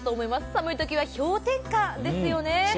寒いときは氷点下ですよね。